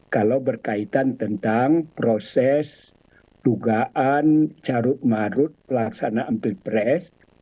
kalau berkaitan tentang proses dugaan carut marut pelaksanaan pilpres